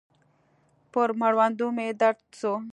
پر مړوندو مې درد سو.